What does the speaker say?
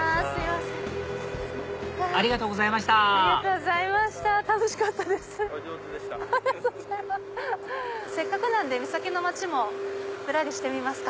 せっかくなんで三崎の街もぶらりしてみますか。